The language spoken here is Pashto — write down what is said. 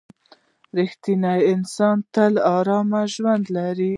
• رښتینی انسان تل ارام ژوند لري.